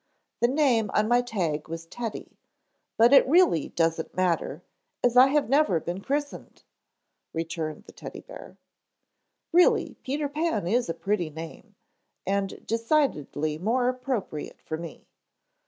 "The name on my tag was Teddy, but it really doesn't matter, as I have never been christened," returned the Teddy bear. "Really Peter Pan is a pretty name, and decidedly more appropriate for me.